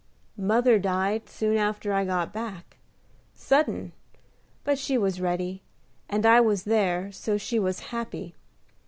"Mother died soon after I got back. Suddin', but she was ready, and I was there, so she was happy.